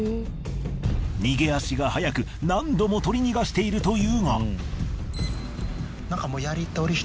逃げ足が速く何度も取り逃がしているというが。